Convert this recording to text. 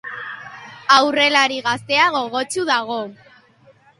Aurrelari gaztea gogotsu dago.